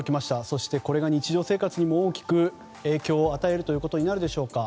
そしてこれが日常生活にも大きく影響を与えるということになるのでしょうか。